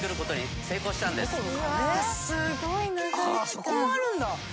そこもあるんだ！